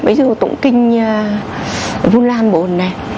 ví dụ tụng kinh vô lan bồn này